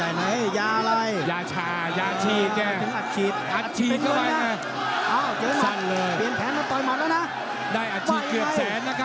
ต้องการจับร่างบ้างแล้วพี่ปากไม่เปลี่ยนแผนแล้วนะ